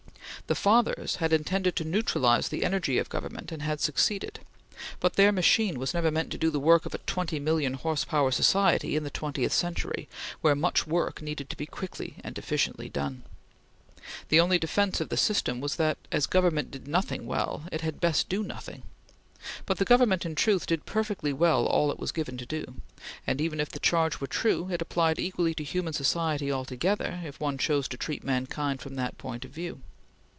The fathers had intended to neutralize the energy of government and had succeeded, but their machine was never meant to do the work of a twenty million horse power society in the twentieth century, where much work needed to be quickly and efficiently done. The only defence of the system was that, as Government did nothing well, it had best do nothing; but the Government, in truth, did perfectly well all it was given to do; and even if the charge were true, it applied equally to human society altogether, if one chose to treat mankind from that point of view.